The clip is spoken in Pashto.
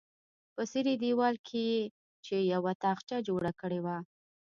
په څیرې دیوال کې یې چې یوه تاخچه جوړه کړې وه.